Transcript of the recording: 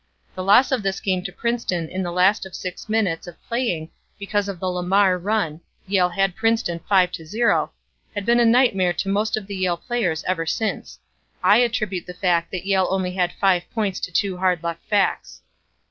The loss of this game to Princeton in the last six minutes of playing because of the Lamar run Yale had Princeton 5 to 0 has been a nightmare to most of the Yale players ever since. I attribute the fact that Yale only had five points to two hard luck facts.